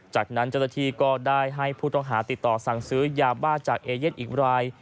จากนั้นเจ้าหน้าที่ก็ได้ให้ผู้ต้องหาติดต่อสั่งซื้อยาบ้าจากเอเย่นอีกราย